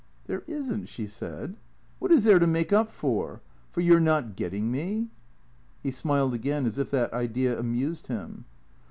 " There is n't," she said. " What is there to make up for ? For your not getting me ?" He smiled again as if that idea amused him.